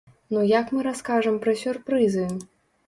Ну як мы раскажам пра сюрпрызы?!